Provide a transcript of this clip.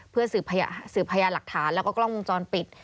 เพื่อสื่อพยาหลักฐานและก็กล้องมุมจรปิด